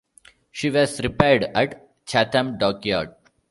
She was repaired at Chatham Dockyard.